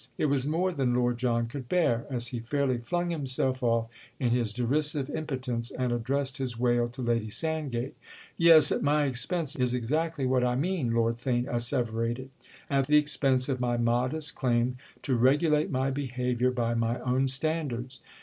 It was more than Lord John could bear as he fairly flung himself off in his derisive impotence and addressed his wail to Lady Sandgate. "Yes, at my expense is exactly what I mean," Lord Theign asseverated—"at the expense of my modest claim to regulate my behaviour by my own standards.